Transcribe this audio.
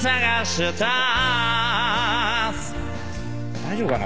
大丈夫かな？